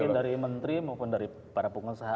mungkin dari menteri maupun dari para pengusaha